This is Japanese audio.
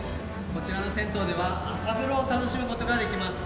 こちらの銭湯では、朝風呂を楽しむことができます。